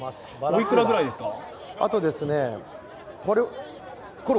おいくらぐらいですか？